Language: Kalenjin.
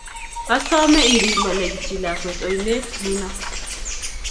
asome irib malekitji lakwet oinet nino